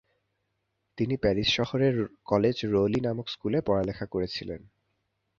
তিনি প্যারিস শহরের college Rollin নামক স্কুলে পড়ালেখা করেছিলেন।